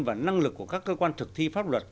và năng lực của các cơ quan thực thi pháp luật